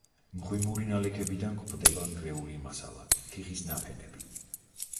მღვიმური ნალექებიდან გვხვდება ნგრეული მასალა; თიხის ნაფენები.